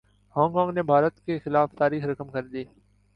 Hong Kong نے بھارت کے خلاف تاریخ رقم کردی